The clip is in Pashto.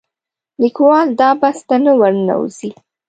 لیکوال دا بحث ته نه ورننوځي